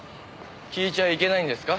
聞いちゃいけないんですか？